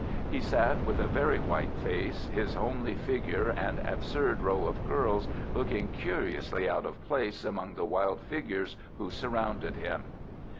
He sat with a very white face, his homely figure and absurd row of curls looking curiously out of place among the wild figures who surrounded him.